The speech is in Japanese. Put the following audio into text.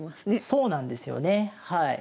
そうなんですよねはい。